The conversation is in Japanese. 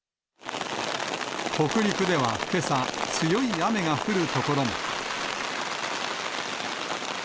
北陸ではけさ、強い雨が降る所も。